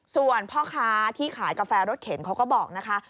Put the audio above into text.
ส่วนพ่อค้าที่ขายกาแฟรถเข็นเขาก็บอกนะคะ